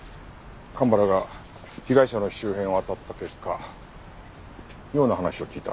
蒲原が被害者の周辺をあたった結果妙な話を聞いた。